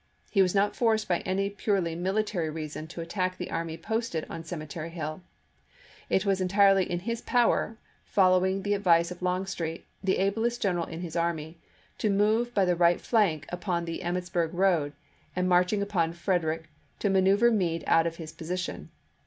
He was not forced by any purely military reason to attack the army posted on Cemetery Hill. It was entirely in his power, follow ing the advice of Longstreet, the ablest general in his army, to move by the right flank upon the Emmitsburg road, and marching upon Frederick to manoeuvre Meade out of his position.